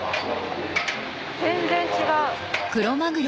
全然違う。